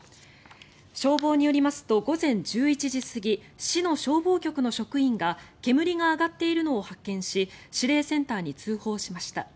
消防によりますと午前１１時過ぎ市の消防局の職員が煙が上がっているのを発見し指令センターに通報しました。